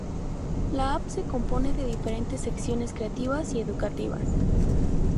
La app se compone de diferentes secciones creativas y educativas.